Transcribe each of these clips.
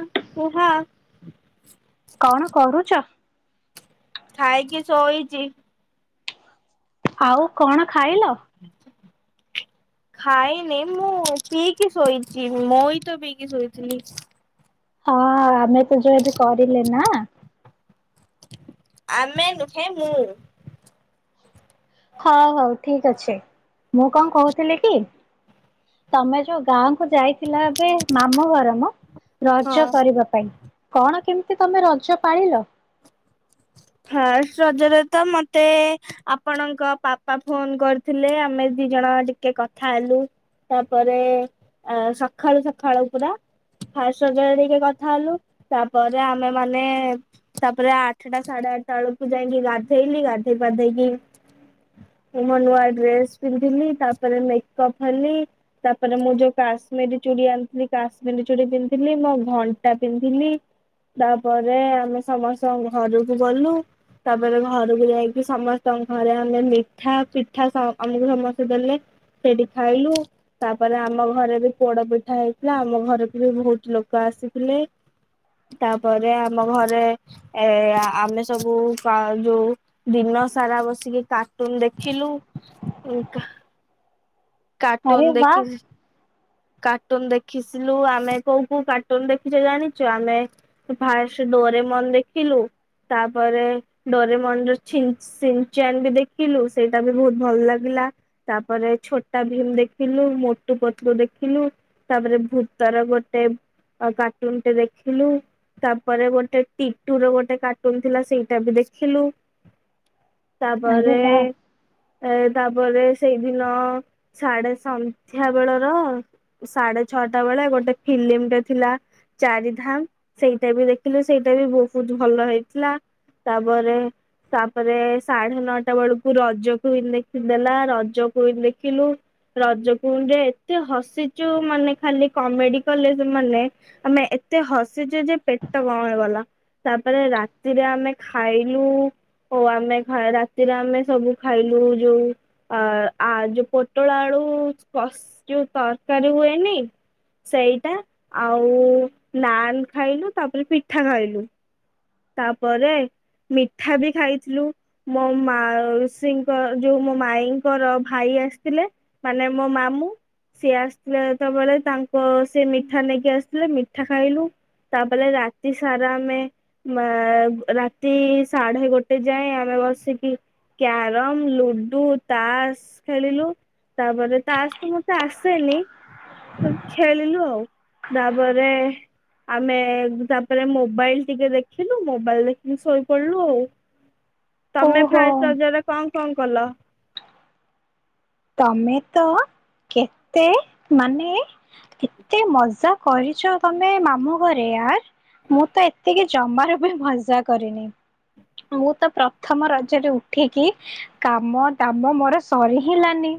ଚା କି ହାଁ। କଣ କରୁଛ? ଖାଇକି ଶୋଇଛି। ଆଉଁ କଣ ଖାଇଲ? ଆଛୁଁ। ଖାଇନି ମୁଁ ପିଇକି ଶୋଇଛି ମୁଇଁ ତ ପିଇକି ଶୋଇଥିଲି। ହଁ ଆମେ ତ ଯୋଉଁ ବି କରିଲେ ନାଁ। ଆମେ ନୁହେଁ ମୁଁ। ହଉ ହଉ ଠିକ ଅଛେଁ ମୁଁ କଣ କହୁଥିଲି କି। ତମେ ଯୋଉ ଗାଁ କ ଯାଇଥିଲ ଏବେ ମାମୁଁ ଘରମଁ। ରଜ ହଁ। କରିବା ପାଇଁ କଣ କେମିତି ତମେ ରଜ ପାଳିଲ? ଫାଷ୍ଟ ରଜରେ ତ ମତେ ଆପଣଙ୍କ ବାପା ଫୋନ କରିଥିଲେ ଆମେ ଦି ଜଣ ଟିକେ କଥା ହେଲୁ। ତାପରେ ସଖାଳୁ ସକାଳୁ ପୁରା। ଫାଷ୍ଟ ରଜ ରେ ଟିକେ କଥା ହେଲୁ ତାପରେ ଆମେ ମାନେ ତାପରେ ଆଠଟା ସାଢେ ଆଠଟାବେଳକୁ ଯାଇକି ଗାଧେଇଲି ଗାଧେଇପାନ୍ଧେଇକି। ମୁଁ ମୋ ନୂଆ ଡ୍ରେସ ପିନ୍ଧିଲି ତାପରେ ମେକଅପ୍ ହେଲି। ତାପରେ ମୁଁ ଯୋଉ କାଶ୍ମୀରୀ ଚୁଡ଼ି ଆଣିଥିଲି କାଶ୍ମୀରୀ ଚୁଡ଼ି ପିନ୍ଧିଲି ମୁଁ ଘଣ୍ଟା ପିନ୍ଧିଲି। ତାପରେ ଆମେ ସମସ୍ତଙ୍କ ଘରକୁ ଗଲୁ। ତାପରେ ଘରକୁ ଯାଇକି ସମସ୍ତଙ୍କ ଘରେ ଆମେ ମିଠା ପିଠା ଆମକୁ ସମସ୍ତେ ଦେଲେ। ସେଇଠି ଖାଇଲୁ। ତାପରେ ଆମ ଘରେ ବି ପୋଡ ପିଠା ହେଇଥିଲା ଆମ ଘରକୁ ବି ବହୁତ ଲୋକ ଆସିଥିଲେ। ତାପରେ ଆମ ଘରେ ଏଏଁ ଆମେ ସବୁ କଁ ଯୋଉଁ କଲୁ। ଦିନ ସାରା ବସିକି କାର୍ଟୁନ ଦେଖିଲୁ। ଆରେ କାର୍ଟୁନ ବା ଦେଖିଛି। କାର୍ଟୁନ ଦେଖିଚିଲୁ ଆମେ କୋଉଁ କୋଉଁ କାର୍ଟୁନ ଦେଖିଛୁ ଜାଣିଛୁ ଆମେ ଫାଷ୍ଟ ଡୋରେମନ ଦେଖିଲୁ ତାପରେ। ଡରେମନ ଛିଂନ ସି୍ମ ଚି୍ୟମ ବି ଦେଖିଲୁ ସେଇଟା ବି ବହୁତ ଭଲ ଲାଗିଲା। ତାପରେ ଛୋଟା ଭୀମି ଦେଖିଲୁ ମୋଟୁ ପତଲୁ ଦେଖିଲୁ। ତାପରେ ଭୂତର ଗୋଟେ ଆଉ କାର୍ଟୁନ ଟେ ଦେଖିଥିଲୁ ତାପରେ ଗୋଟେ ଟିପ୍ ଟୁ ଯୋଉ ଗୋଟେ କାର୍ଟୁନ ଥିଲା ସେଇଟା ବି ଦେଖିଥିଲୁ ଆରେ ତାପରେ। ବା ଏ ତାପରେ ସେଇଦିନ ସାଢେ ସନ୍ଧ୍ୟା ବେଳର ସାଢେ ଛଅଟା ବେଳେ ଗୋଟେ ଫିଲ୍ମମିଟେ ଥିଲା। ଚାରିଧାମ୍ ସେଇଟା ବି ଦେଖିଲୁ ସେଇଟା ବି ବହୁତ ଭଲ ହେଇଥିଲା। ତାପରେ ତାପରେ ସାଢେ ନଅ ଟା ବେଳକୁ ରଜକୁ କ୍ୱଇନୀ ଦେଖି ଦେଲା ରଜକୁ କ୍ୱଇନୀ ଦେଖିଲୁ। ରଜ କ୍ୱଇନୀ ଏତେ ହସିଚୁ ମାନେ ଖାଲି କମେଡି କଲେ ସେମାନେ। ଆମେ ଏତେ ହସିଚୁ ଯେ ପେଟ କଣ ହେଇଗଲା। ତାପରେ ରାତିରେ ଆମେ ଖାଇଲୁ। ହଉ ଆମେ ଘ ରାତିରେ ଆମେ ସବୁ ଖାଇଲୁ ଯୋଉ। ଆ ଆ ଯୋଉ ପୋଟଳ ଆଳୁ କସ୍ ଯୋଉ ତରକାରୀ ହୁଏନି। ସେଇଟା ଆଉ ନାନ୍ ଖାଇଲୁ ତାପରେ ପିଠା ଖାଇଲୁ। ତାପରେ ମିଠା ବି ଖାଇଥିଲୁ। ମୋ ମାଉସୀଙ୍କ ଯୋଉ ମୋ ମାଇଁଙ୍କର ଭାଇ ଆସିଥିଲେ। ମାନେ ମୋ ମାମୁଁ। ସିଏ ଆସିଥିଲେ ଯେତେବେଳେ ତାଙ୍କ ସେ ମିଠା ନେଇକି ଆସିଥିଲେ ମିଠା ଖାଇଲୁ। ତାପରେ ରାତି ସାରା ଆମେ ମା ରାତି ସାଢେ ଗୋଟେ ଯାଏଁ ଆମେ ବସିକି କ୍ୟାରମ, ଲୁଡୁ, ତାସ୍ ଖେଳିଲୁ। ତାପରେ ତାସ୍ ମୁ ତେ ଆସେନି। ତ ଖେଳିଲୁ ଆଉ ତାପରେ ଆମେ ତାପରେ ମୋବାଇଲ ଟିକେ ଦେଖିଲୁ ମୋବାଇଲ୍ ଦେଖିକି ଶୋଇପଡିଲୁ ତମେ ଓହୋ ଫାଷ୍ଟ ରଜରେ କଁ କଁ କଲ? ତମେ ତ କେତେ ମାନେ ଏତେ ମଜାକ କରିଛ ତମେ ମାମୁ ଘରେ ୟାର୍ ମୁଁ ତ ଏତେକି ଜମାରୁ ବି ମଜା କରିନି। ମୁଁ ତ ପ୍ରଥମ ରଜରେ ଉଠିକି କାମ ଦାମ ମୋର ସରି ହିଁ ହେଲାନି।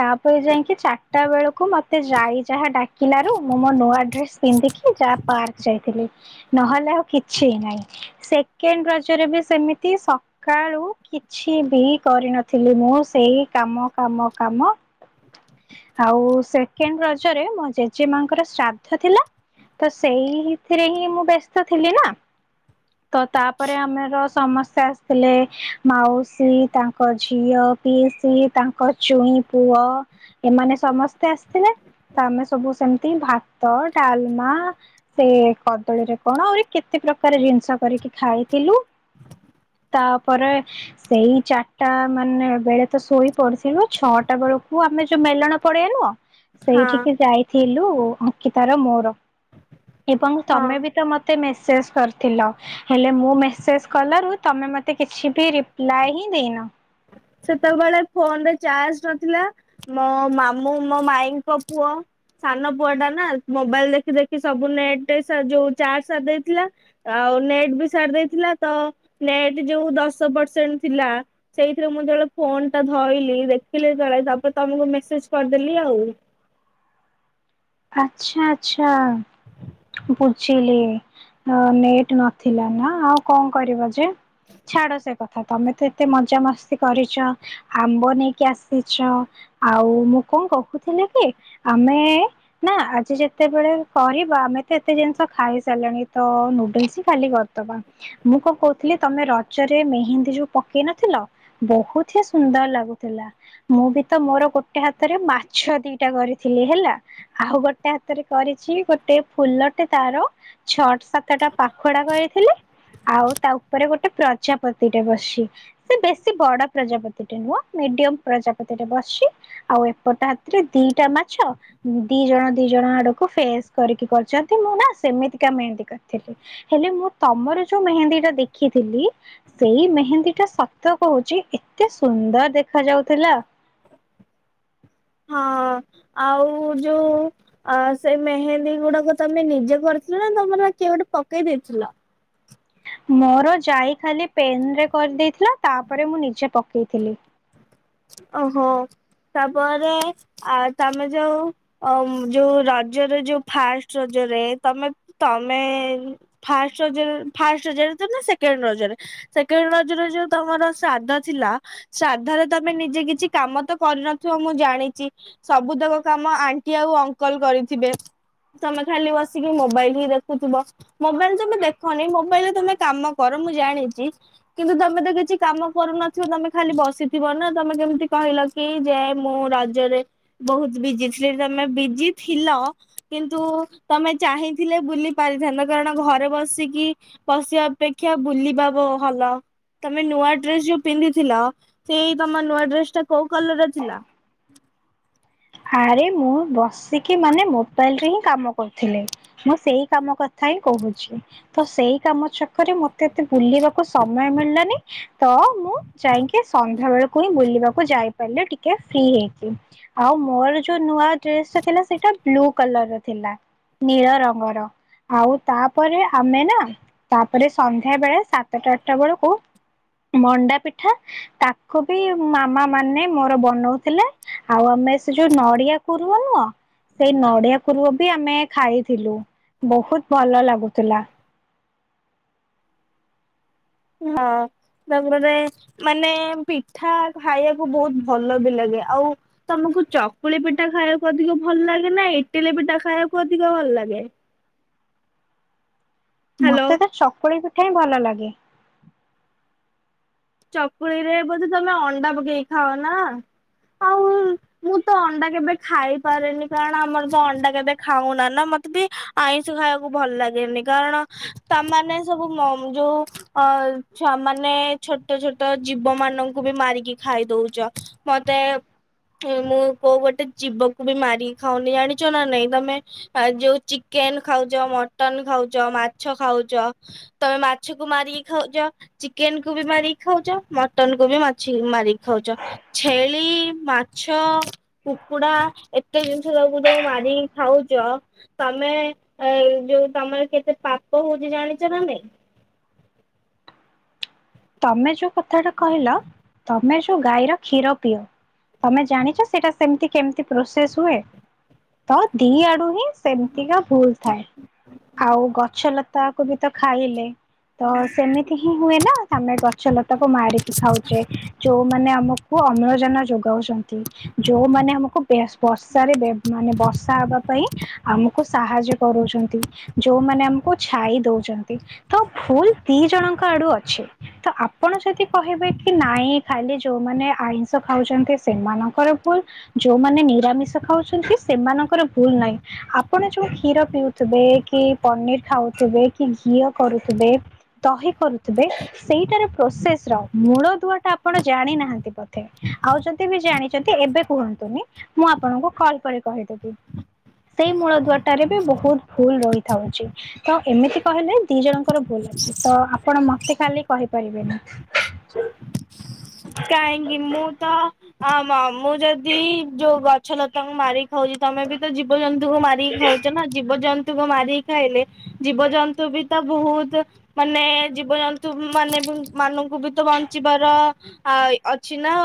ତାପରେ ଯାଇକି ଚାର ଟା ବେଳକୁ ମତେ ଜାଇ ଯାହା ଡାକିଲାରୁ ମୁଁ ମୋ ନୂଆ ଡ୍ରେସ୍ ପିନ୍ଧିକି ଯା ପାର୍କ ଯାଇଥିଲି ନହେଲେ ଆଉ କିଛି ନାହିଁ ସେକେଣ୍ଡ ରଜରେ ବି ସେମିତି ସ କାଳୁ କିଛି ବି କରିନଥିଲି ମୁଁ ସେଇ କାମ କାମ କାମ। [unintelligible] ଆଉ ସେକେଣ୍ଡ ରଜରେ ମୋ ଜେଜେମା ଙ୍କର ଶ୍ରାଦ୍ଧ ଥିଲା। ତ ସେଇଥିରେ ହିଁ ମୁଁ ବ୍ୟସ୍ତ ଥିଲି ନା ତ ତାପରେ ଆମେର ସମସ୍ତେ ଆସିଥିଲେ ମାଉସୀ ତାଙ୍କ ଝିଅ ପିଇସି ତାଙ୍କ ଜୁଇଁ ପୁଅ ଏମାନେ ସମସ୍ତେ ଆସିଥିଲେ। ତା ଆମେ ସବୁ ସେମିତି ଭାତ, ଡାଲମା ସେ କଦଳୀରେ କଣ ଏଇ କେତେ ପ୍ରକାର ଜିନିଷ କରିକି ଖାଇଥିଲୁ। ତାପରେ ସେଇ ଚାର ଟା ମାନେ ବେଳେତ ଶୋଇ ପଡିଥିଲୁ ଛଅଟା ବେଳକୁ ଆମେ ଯୋଉ ମେଲଣ ପଳେଇ ଆଇନୁ ଆଉ। ହଁ ସେଇଠିକି ଯାଇଥିଲୁ ଅଙ୍କିତାର ମୋର। ଏବଂ ହଁ ତମେ ବି ତ ମତେ ମେସେଜ୍ କରିଥିଲ ହେଲେ ମୁଁ ମେସେସ୍ କଲାରୁ ତମେ ମତେ କିଛି ବି ରିପ୍ଲାଏ ହିଁ ଦେଇନ। ସେତେବେଳେ ଫୋନରେ ଚାର୍ଜ ନଥିଲା। ମୋ ମାମୁଁ ମୋ ମାଇଙ୍କ ପୁଅ। ସାନ ପୁଅଟା ନା ମୋବାଇଲ ଦେଖି ଦେଖି ସବୁ ନେଟଟେ ଯୋଉ ଚାର୍ଜ ସାରି ଦେଇଥିଲା। ଆଉ ନେଟ୍ ବି ସାରି ଦେଇଥିଲା ତ ନେଟ୍ ଯୋଉ ଦଶ ପରସେଣ୍ଟ୍ ଥିଲା। ସେଥିରେ ମୁଁ ଯେବେଳେ ଫୋନଟା ଧଇଲି ଦେଖିଲି ଯେତେବେଳେ ତାପରେ ତମକୁ ମେସେଜ କରିଦେଲି ଆଉ। ଆଚ୍ଛା ଆଚ୍ଛା ବୁଝିଲି ନେଟ ନଥିଲା ନା ଆଉ କଣ କରିବ ଯେ। ଛାଡ ସେ କଥା ତମେ ତ ଏତେ ମଜାମସ୍ତି କରିଛ। ଆମ୍ବ ନେଇକି ଆସିଛ ଆଉ ମୁଁ କଣ ଗପୁଥିଲି କି ଆମେ। ନା ଆଜି ଯେତେବେଳେ କରିବା ଆମେ ତ ଏତେ ଜିନିଷ ଖାଇସାରିଲାଣି ତ ନୁଡଲସ ହ ଖାଲି କରିଦବା। ମୁଁ କଣ କହୁଥିଲି ତମେ ରଜରେ ମେହେନ୍ଦୀ ଯୋଉ ପକେଇ ନଥିଲ। ବହୁତ ହି ସୁନ୍ଦର ଲାଗୁଥିଲା। ମୁଁ ବି ତ ମୋର ଗୋଟେ ହାତରେ ମାଛ ଦିଟା କରିଥିଲି ହେଲା। ଆଉ ଗୋଟେ ହାତରେ କରିଛି ଗୋଟେ ଫୁଲଟେ ତାର। ଛଅଟା ସାତଟା ପାଖୁଡା କରିଥିଲି। ଆଉ ତା ଉପରେ ଗୋଟେ ପ୍ରଜାପତିଟେ ବସିଛି। ସେ ବେଶୀ ବଡ ପ୍ରଜାପତିଟେ ନୁହଁ ମିଡିୟମ ପ୍ରଜାପତିଟେ ବସିଚି। ଆଉ ଏପଟେ ହାତରେ ଦିଟା ମାଛ। ଦି ଜଣ ଦି ଜଣ ଆଡକୁ ଫେସ୍ କରିକି ବସିଛନ୍ତି ମୁଁ ନା ସେମିତିକା ମେହେନ୍ଦି କରିଥିଲି। ହେଲେ ମୁଁ ତମର ଯୋଉ ମେହେନ୍ଦୀଟା ଦେଖିଥିଲି। ସେଇ ମେହେନ୍ଦୀଟା ସତ କହୁଛି ଏତେ ସୁନ୍ଦର ଦେଖା ଯାଉଥିଲା। ହଁ ଆଉ ଯୋଉ। ଆ ସେ ମେହେନ୍ଦୀ ଗୁଡାକ ତମେ ନିଜେ କରିଥିଲ ନା ତମର ଆ କିଏ ଗୋଟେ ପକେଇ ଦେଇଥିଲା। ମୋର ଯାଇ ଖାଲି ପେନରେ କରିଦେଇଥିଲା ତାପରେ ମୁଁ ନିଜେ ପକେଇଥିଲି। ଓହୋ ତାପରେ ଆ ତମେ ଯୋଉ। ଅ ଯୋଉ ରଜରେ ଯୋଉ ଫାଷ୍ଟ ରଜରେ ତମେ ତମେ ଫାଷ୍ଟ ରଜରେ ଫାଷ୍ଟ ରଜରେ ତ ନା ସେକଣ୍ଡ ରଜରେ। ସେକେଣ୍ଡ ରଜରେ ଯୋଉ ତମର ଶ୍ରାଦ୍ଧ ଥିଲା ଶ୍ରାଦ୍ଧରେ ତମେ ନିଜେ କିଛି କାମ ତ କରିନଥିବ ମୁଁ ଜାଣିଚି। ସବୁତକ କାମ ଆଣ୍ଟି ଆଉ ଅଙ୍କଲ କରିଥିବେ। ତମେ ଖାଲି ବସିକି ମୋବାଇଲ ହି ଦେଖୁଥିବ। ମୋବାଇଲ ତମେ ଦେଖନି ମୋବାଇଲରେ ତମେ କାମ କର ମୁଁ ଜାଣିଛି। କିନ୍ତୁ ତମେ ତ କିଛି କାମ କରୁନଥିବ ତମେ ଖାଲି ବସିଥି ଥିବ ନା ତମେ କେମିତି କହିଲ କି ଯେ ମୁଁ ରଜରେ। ବହୁତ ବିଜି ଥିଲି ତମେ ବିଜି ଥିଲ। କିନ୍ତୁ ତମେ ଚାହିଁଥିଲେ ବୁଲି ପାରିଥାନ୍ତ କାରଣ ଘରେ ବସିକି। ପଶିବା ଅପେକ୍ଷା ବୁଲିବାବ ଭଲ ତମେ ନୂଆ ଡ୍ରେସ ଯୋଉ ପିନ୍ଧିଥିଲ। ସେଇ ତମ ନୂଆ ଡ୍ରେସଟା କୋଉ କଲରର ଥିଲା। ଆରେ ମୁଁ ବସିକି ମାନେ ମୋବାଇଲରେ ହିଁ କାମ କରୁଥିଲି ମୁଁ ସେଇ କାମ କରି ଥାଇ କହୁଛି ତ ସେଇ କାମ ଛକରେ ମତେ ଏତେ ବୁଲିବାକୁ ସମୟ ମିଳିଲାନି। ତ ମୁଁ ଯାଇକି ସନ୍ଧ୍ୟା ବେଳକୁ ହିଁ ବୁଲିବାକୁ ଯାଇପାରିଲି ଟିକେ ଫ୍ରି ହେଇକି। ଆଉ ମୋର ଯୋଉ ନୂଆ ଡ୍ରେସଟା ଥିଲା ସେଇଟା ବ୍ଲୁ କଲରର ଥିଲା। ନୀଳ ରଙ୍ଗର। ଆଉ ତାପରେ ଆମେ ନା ତାପରେ ସନ୍ଧ୍ୟା ବେଳେ ସାତଟା ଆଠଟା ବେଳକୁ ମଣ୍ଡା ପିଠା ତାକୁ ବି ମାମା ମାନେ ମୋର ବନଉଥିଲେ ଆଉ ଆମେ ସେ ସେ ଯୋଉ ନଡିଆ କୁରୁ ନୁହ। ସେଇ ନଡ଼ିଆ କରୁବି ଆମେ ଖାଇଥିଲୁ ବହୁତ ଭଲ ଲାଗୁଥିଲା। ହଁ। ତାପରେ ମାନେ ପିଠା ଖାଇବାକୁ ବହୁତ ଭଲ ବି ଲାଗେ ଆଉ ତମକୁ ଚକୁଳି ପିଠା ଖାଇବାକୁ ଅଧିକ ଭଲ ଲାଗେ ନା ଇଟିଲି ପିଠା ଖାଇବାକୁ ଅଧିକ ଭଲ ଲାଗେ। ହ୍ୟାଲୋ ମତେ ତ ଚକୁଳି ପିଠା ହିଁ ଭଲ ଲାଗେ। ଚକୁଳି ରେ ବୋଧେ ତମେ ଅଣ୍ଡା ପକେଇକି ଖାଅ ନା ଆଉ ମୁଁ ତ ଅଣ୍ଡା କେବେ ଖାଇପାରେନି କାରଣ ଆମର ତ ଅଣ୍ଡା କେବେ ଖାଉନା ନା ମତେ ବି ଆଇଁଷ ଖାଇବାକୁ ଭଲ ଲାଗେନି କାରଣ ତାମାନେ ସବୁ ମ ଯୋଉ ଅ ଛୁଆମାନେ ଛୋଟ ଛୋଟ ଜୀବ ମାନଙ୍କୁ ବି ମାରିକି ଖାଇ ଦଉଚ, ମତେ ମୁଁ କୋଉ ଗୋଟେ ଜୀବକୁ ବି ମାରିକି ଖାଉନି ଜାଣିଛ ନା ନାଇଁ ତମେ ଆଉ ଯୋଉ ଚିକେନ୍ ଖାଉଚ, ମଟନ ଖାଉଚ, ମାଛ ଖାଉଚ ତମେ ମାଛକୁ ମାରିକି ଖାଉଚ, ଚିକେନ୍ କୁ ବି ମାରିକି ଖାଉଚ ମଟନ କୁ ବି ମାଛି ମାରିକି ଖାଉଚ। ଛେଳି, ମାଛ କୁକୁଡା ଏତେ ଜିନିଷ ତାକୁ ତାକୁ ମାରିକି ଖାଉଚ। ତମେ ଏ ଯୋଉ ତମର କେତେ ପାପ ହଉଚି ଜାଣିଚ ନା ନାଇଁ? ତମେ ଯୋଉ କଥାଟା କହିଲ ତ ତମେ ଯୋଉ ଗାଈର କ୍ଷୀର ପିଅ, ତମେ ଜାଣିଚ ସେଇଟା ସେମିତି କେମତି ପ୍ରୋସେସ୍ ହୁଏ? ତ ଦି ଆଡୁ ହିଁ ସେମିତିକା ଭୁଲ ଥାଏ। ଆଉ ଗଛ ଲତାକୁ ବି ତ ଖାଇଲେ। ତ ସେମିତି ହିଁ ହୁଏ ନା, ଆମେ ଗଛ ଲତାକୁ ମାରିକି ଖାଉଚେ। ଯୋଉମାନେ ଆମକୁ ଅମ୍ଳଜାନ ଯୋଗାଉଛନ୍ତି। ଯୋଉମାନେ ଆମକୁ ବେ ବର୍ଷାରେ ମାନେ ବର୍ଷା ହବା ପାଇଁ ଆମକୁ ସାହାଯ୍ୟ କରୁଛନ୍ତି, ଯୋଉମାନେ ଆମକୁ ଛାଇ ଦଉଛନ୍ତି। ତ ଭୁଲ୍ ଦି ଜଣଙ୍କ ଆଡୁ ଅଛି। ତ ଆପଣ ଯଦି କହିବେ କି ନାଇଁ ଖାଲି ଯୋଉମାନେ ଆଇଁଷ ଖାଉଚନ୍ତି ସେମାନଙ୍କର ଭୁଲ୍। ଯୋଉମାନେ ନିରାମିଷ ଖାଉଛନ୍ତି ସେମାନଙ୍କର ଭୁଲ୍ ନାହିଁ। ଆପଣ ଯୋଉ କ୍ଷୀର ପିଉଥିବେ, କି ପନିର ଖାଉଥିବେ କି ଘିଅ କରୁଥିବେ ଦହି କରୁଥିବେ ସେଇଟାରେ ପ୍ରୋସେସ୍ ର ମୂଳଦୁଆ ଟା ଆପଣ ଜାଣିନାହାନ୍ତି ବୋଧେ। ଆଉ ଯଦି ବି ଜାଣିଚନ୍ତି ଏବେ କୁହନ୍ତୁନି ମୁଁ ଆପଣଙ୍କୁ କଲ୍ କରି କହିଦେବି। ସେଇ ମୂଳଦୁଆଟାରେ ବି ବହୁତ୍ ଭୁଲ୍ ରହିଥାଉଚି। ତ ଏମିତି କହିଲେ ଦି ଜଣଙ୍କର ଭୁଲ ଅଛି, ତ ଆପଣ ମତେ ଖାଲି କହିପାରିବେନି। କାହିଁକି ମୁଁ ତ ଆ ମୁଁ ଯଦି ଯୋଉ ଗ ଗଛ ଲତାଙ୍କୁ ମାରି ଖାଉଚି, ତମେ ବି ତ ଜୀବଜନ୍ତୁଙ୍କୁ ମାରିକି ଖାଉ ଚ ନା ଜୀବଜନ୍ତୁଙ୍କୁ ମାରିକି ଖାଇଲେ ଜୀବଜନ୍ତୁ ବି ତ ବହୁତ୍ ମାନେ ଜୀବଜନ୍ତୁ ମାନେ ମାନଙ୍କୁ ବି ତ ବଞ୍ଚିବାର ଆ ଅଛି ନା।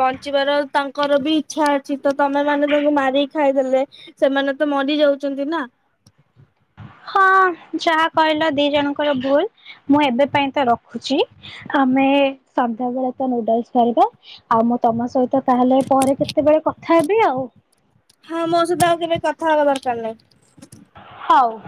ବଞ୍ଚିବାର ତାଙ୍କର ବି ଇଚ୍ଛା ଅଛି ତ, ତମେମାନେ ତାଙ୍କୁ ମାରିକି ଖାଇଦେଲେ ସେମାନେ ତ ମରିଯାଉଛନ୍ତି ନା। ହଁ ଯାହା କହିଲ ଦି ଜଣଙ୍କର ଭୁଲମୁଁ ଏବେ ପାଇଁ ତ ର ହେଉଛି ଆମେ ସନ୍ଧ୍ୟାବେଳେ ତ ନୁଡଲସ୍ କରିବା। ଆଉ ମୁଁ ତମ ସହିତ ତାହେଲେ ପରେ କେତେବେଳେ କଥା ହେବି ଆଉ। ହଁ ମୋ ସହିତ ଆଉ କେବେ କଥା ହବା ଦରକାର ନାହିଁ। ହଉ।